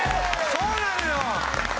「そうなのよ」。